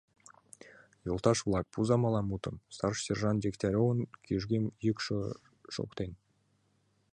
— Йолташ-влак, пуыза мылам мутым! — старший сержант Дегтяревын кӱжгӧ йӱкшӧ шоктыш.